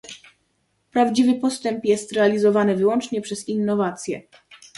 Prawdziwy postęp jest realizowany wyłącznie poprzez innowację